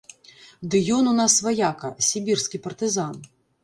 Ды ён у нас ваяка, сібірскі партызан.